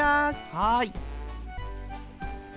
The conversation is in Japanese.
はい。